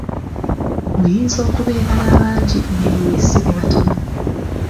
Oyinza okubeera n'abangi naye weesige batono.